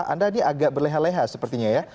anda ini agak berleha leha sepertinya ya